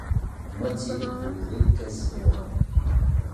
Moitié de progrès; quasi-droit.